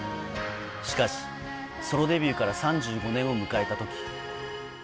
しかし、ソロデビューから３５年を迎えたとき。